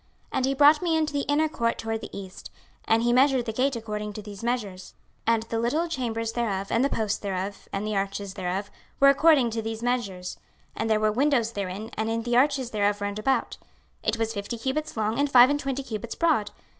26:040:032 And he brought me into the inner court toward the east: and he measured the gate according to these measures. 26:040:033 And the little chambers thereof, and the posts thereof, and the arches thereof, were according to these measures: and there were windows therein and in the arches thereof round about: it was fifty cubits long, and five and twenty cubits broad.